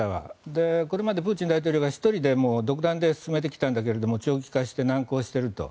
これまでプーチン大統領が１人で独断で進めてきたんだけど長期化して難航していると。